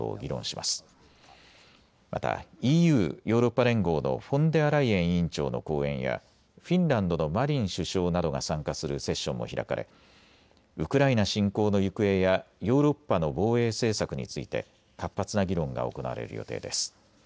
またＥＵ・ヨーロッパ連合のフォンデアライエン委員長の講演やフィンランドのマリン首相などが参加するセッションも開かれウクライナ侵攻の行方やヨーロッパの防衛政策について活発な議論が行われる予定です。